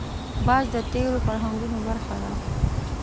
باز د تېرو فرهنګونو برخه ده